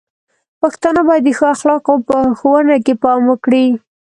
پښتانه بايد د ښو اخلاقو په ښوونه کې پام وکړي.